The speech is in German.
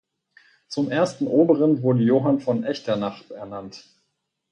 Zum ersten Oberen wurde Johann von Echternach ernannt.